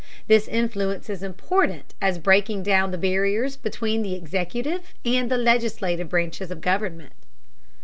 This influence is important as breaking down the barriers between the executive and legislative branches of government.